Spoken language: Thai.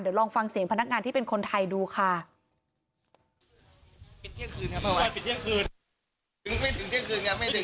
เดี๋ยวลองฟังเสียงพนักงานที่เป็นคนไทยดูค่ะปิดเที่ยงคืนครับประมาณ